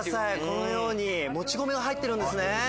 このようにもち米が入ってるんですね。